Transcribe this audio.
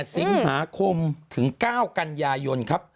สิงหาคมถึง๙กันยายนครับ